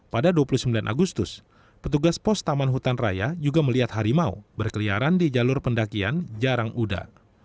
pada dua puluh sembilan agustus petugas pos taman hutan raya juga melihat harimau berkeliaran di jalur pendakian jarang uda